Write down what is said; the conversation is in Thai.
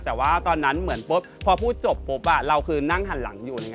แต่ว่าตอนนั้นเหมือนปุ๊บพอพูดจบปุ๊บเราคือนั่งหันหลังอยู่